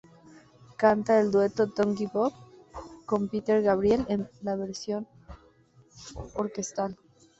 Canta el dueto "Don´t Give Up" con Peter Gabriel en la versión orchestral.